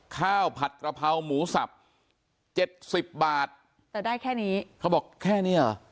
ข้าวผัดกระเพราหมูสับเจ็ดสิบบาทแต่ได้แค่นี้เขาบอกแค่เนี้ยเหรอ